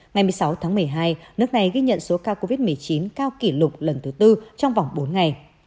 ngày một mươi sáu tháng một mươi hai nước này ghi nhận số ca covid một mươi chín cao kỷ lục lần thứ tư trong vòng bốn ngày